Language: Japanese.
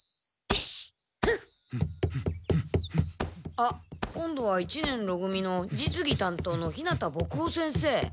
あっ今度は一年ろ組の実技担当の日向墨男先生。